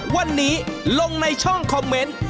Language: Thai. วันนี้ลงในช่องคอมเมนต์